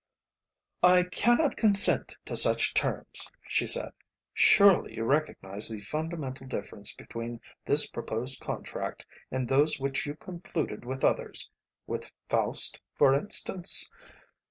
"I cannot consent to such terms," she said. "Surely you recognise the fundamental difference between this proposed contract and those which you concluded with others with Faust, for instance?